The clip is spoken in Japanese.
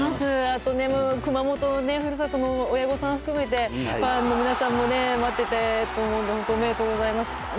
あとね、熊本の故郷の親御さん含めてファンの皆さんも待ってたと思うのでおめでとうございます。